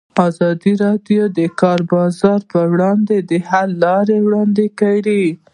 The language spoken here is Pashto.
ازادي راډیو د د کار بازار پر وړاندې د حل لارې وړاندې کړي.